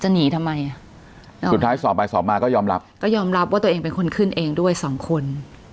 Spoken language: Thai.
หนีทำไมสุดท้ายสอบไปสอบมาก็ยอมรับก็ยอมรับว่าตัวเองเป็นคนขึ้นเองด้วยสองคน